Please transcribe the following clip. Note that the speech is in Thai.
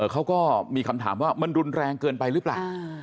เขาก็มีคำถามว่ามันรุนแรงเกินไปหรือเปล่า